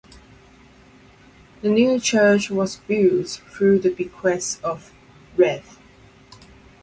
The new church was built through the bequest of Rev.